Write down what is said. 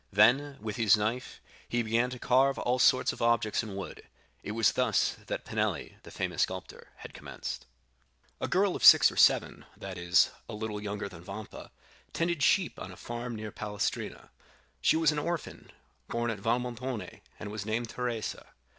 Then, with his knife, he began to carve all sorts of objects in wood; it was thus that Pinelli, the famous sculptor, had commenced. 20105m "A girl of six or seven—that is, a little younger than Vampa—tended sheep on a farm near Palestrina; she was an orphan, born at Valmontone and was named Teresa.